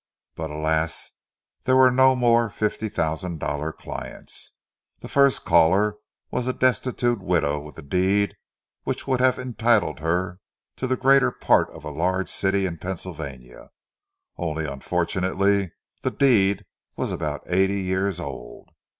But alas, there were no more fifty thousand dollar clients! The first caller was a destitute widow with a deed which would have entitled her to the greater part of a large city in Pennsylvania—only unfortunately the deed was about eighty years old.